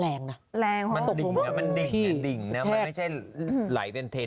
แรงเหรอมันดิ่งนะมันไม่ใช่ไหลเป็นเทสเมศ